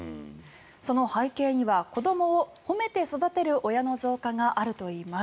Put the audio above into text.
その背景には子どもを褒めて育てる親の増加があるといいます。